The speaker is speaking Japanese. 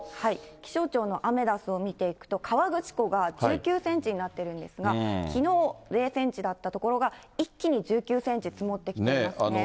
気象庁のアメダスを見ていくと、河口湖が１９センチになっているんですが、きのう０センチだった所が一気に１９センチ、積もってきています